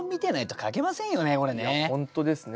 いや本当ですね。